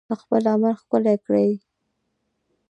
خپل عمل ښکلی کړئ